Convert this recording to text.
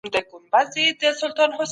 زه نه پوهېږم چې څه وکړم.